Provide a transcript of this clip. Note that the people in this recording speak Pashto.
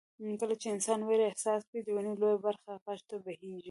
کله چې انسان وېره احساس کړي د وينې لويه برخه غړو ته بهېږي.